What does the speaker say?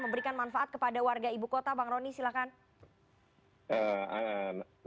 memberikan manfaat kepada warga ibu kota bang roni silakan